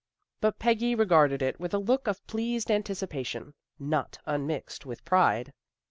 But Peggy re garded it with a look of pleased anticipation, not unmixed with pride.